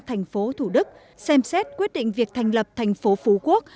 thành phố thủ đức xem xét quyết định việc thành lập thành phố phú quốc